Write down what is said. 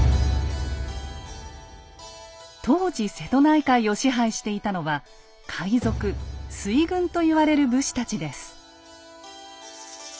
当時瀬戸内海を支配していたのは海賊水軍といわれる武士たちです。